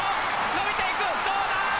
伸びていくどうだ！